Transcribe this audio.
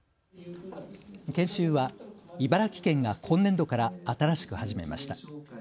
研修は茨城県が今年度から新しく始めました。